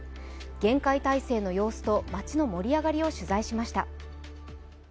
厳戒態勢の様子と街の盛り上がりを取材しました。